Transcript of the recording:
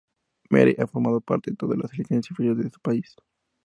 Marek ha formado parte de todas las selecciones inferiores de su país.